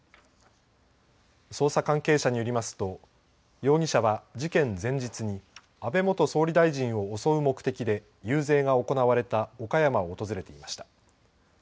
捜査関係者によりますと容疑者は事件前日に安倍元総理大臣を襲う目的で遊説が行われた岡山を訪れていました。